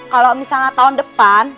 kalau misalnya tahun depan